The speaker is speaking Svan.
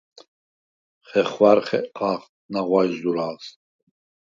ხეხვა̈რ ხეყხალხ ნაღვაჟ ზურალს.